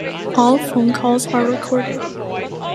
All phone calls are recorded.